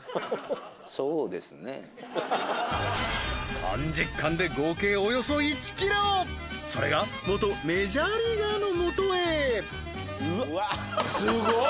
３０貫で合計およそ１キロそれが元メジャーリーガーのもとへすごい！